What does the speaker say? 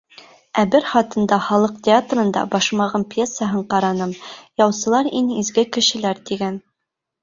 Ә бер хатында халыҡ театрында «Башмағым» пьесаһын ҡараным, яусылар иң изге кешеләр тигән.